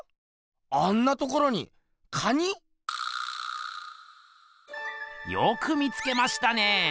あんなところに蟹⁉よく見つけましたね！